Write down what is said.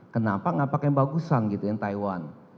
saya akan mencoba untuk mencoba